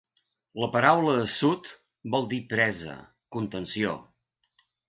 La paraula Assut vol dir presa, contenció.